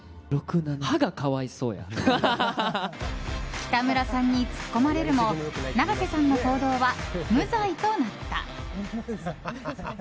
北村さんにツッコまれるも永瀬さんの行動は無罪となった。